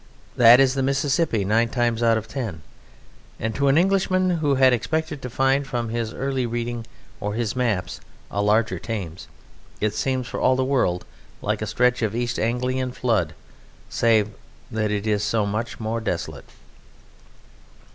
That is the Mississippi nine times out of ten, and to an Englishman who had expected to find from his early reading or his maps a larger Thames it seems for all the world like a stretch of East Anglian flood, save that it is so much more desolate.